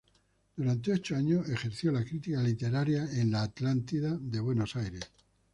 Durante ocho años ejerció la crítica literaria en "La Atlántida", de Buenos Aires.